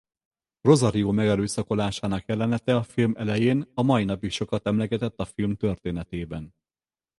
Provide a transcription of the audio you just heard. Rosario megerőszakolásának jelenete a film elején a mai napig sokat emlegetett a film történetében.